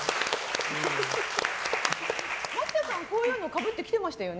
マキタさん、こういうのかぶって来てましたよね。